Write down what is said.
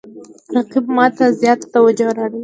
رقیب ما ته زیاته توجه را اړوي